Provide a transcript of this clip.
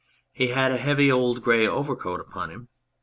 He had a heavy old grey overcoat upon him.